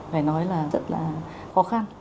phải nói là rất là khó khăn